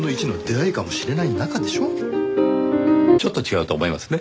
ちょっと違うと思いますね。